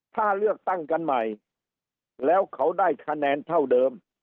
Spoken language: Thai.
ถ้าเลือกตั้งกันใหม่แล้วเขาได้คะแนนเท่าเดิม